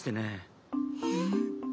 えっ？